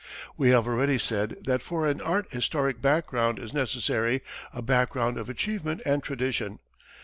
We have already said that for art historic background is necessary; a background of achievement and tradition.